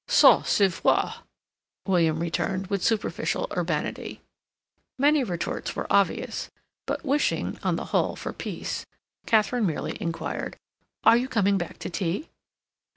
"Ça se voit," William returned, with superficial urbanity. Many retorts were obvious, but wishing, on the whole, for peace, Katharine merely inquired: "Are you coming back to tea?"